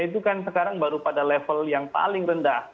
itu kan sekarang baru pada level yang paling rendah